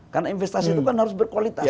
karena investasi itu kan harus berkualitas